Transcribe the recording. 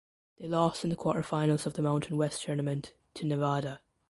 They lost in the quarterfinals of the Mountain West Tournament to Nevada.